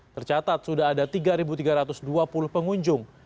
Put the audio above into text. tercatat sudah ada tiga tiga ratus dua puluh pengunjung